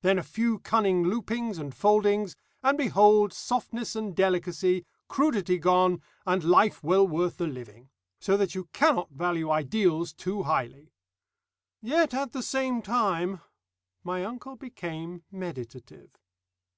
Then a few cunning loopings and foldings, and behold softness and delicacy, crudity gone, and life well worth the living. So that you cannot value ideals too highly. "Yet at the same time " My uncle became meditative.